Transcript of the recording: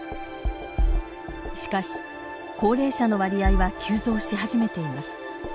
しかし高齢者の割合は急増し始めています。